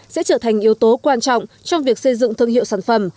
sẽ trở thành yếu tố quan trọng trong việc xây dựng thương hiệu sản phẩm